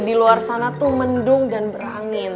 di luar sana tuh mendung dan berangin